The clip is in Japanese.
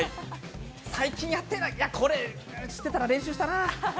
最近やってない知ってたら練習したな！